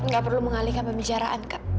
nggak perlu mengalihkan pembicaraan kak